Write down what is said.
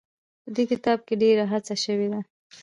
په دې کتاب کې ډېره هڅه شوې ده.